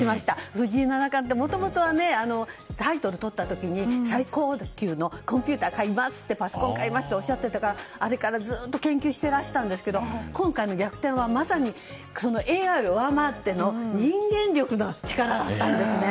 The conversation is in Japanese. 藤井七冠ってもともとはタイトルをとった時最高級のパソコン買いますとおっしゃっていましたからあれからずっと研究していらしたんですけど今回の逆転はまさにＡＩを上回っての人間力の力だったんですね。